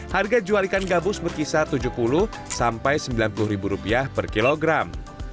harga jual ikan gabus berkisar rp tujuh puluh sampai rp sembilan puluh per kilogram